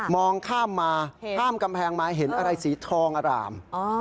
ข้ามมาข้ามกำแพงมาเห็นอะไรสีทองอร่าม